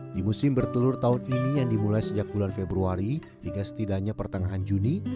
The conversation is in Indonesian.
di musim bertelur tahun ini yang dimulai sejak bulan februari hingga setidaknya pertengahan juni